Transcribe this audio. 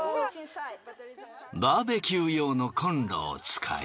バーベキュー用のコンロを使い。